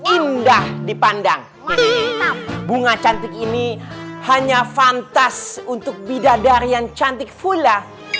indah dipandang bunga cantik ini hanya fantas untuk bidadarian cantik fulla